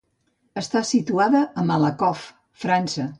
Està situada a Malakoff, França.